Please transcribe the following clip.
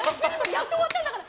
やっと終わったんだから。